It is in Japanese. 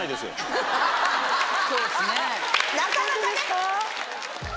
なかなかね。